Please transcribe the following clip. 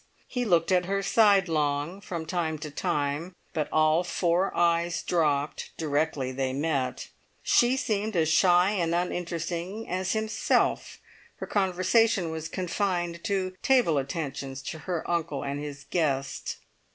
He looked at her sidelong from time to time, but all four eyes dropped directly they met; she seemed as shy and uninteresting as himself; her conversation was confined to table attentions to her uncle and his guest.